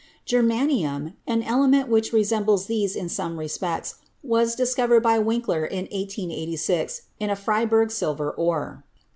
Germanium, an element which resembles these in some respects, was dis covered by Winkler in 1886 in a Freiberg silver ore.